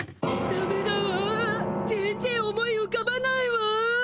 ダメだわ全然思いうかばないわ。